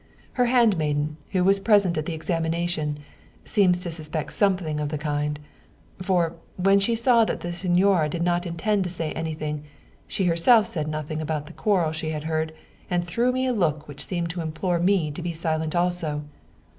Her handmaiden, who was present at the examination, seems to suspect something of the kind. For, when she saw that the signora did not intend to say anything, she herself said nothing about the quarrel she had heard, and threw me a look which seemed to implore me to be silent also.